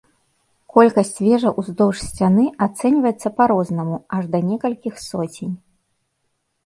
Колькасць вежаў уздоўж сцены ацэньваецца па-рознаму, аж да некалькіх соцень.